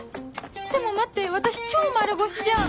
でも待って私超丸腰じゃん